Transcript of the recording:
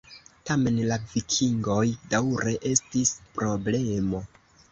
Tamen la vikingoj daŭre estis problemo.